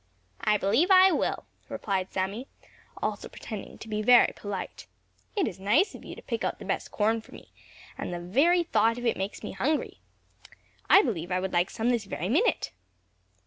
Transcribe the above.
"I believe I will," replied Sammy, also pretending to be very polite. "It is very nice of you to pick out the best corn for me, and the very thought of it makes me hungry. I believe I would like some this very minute."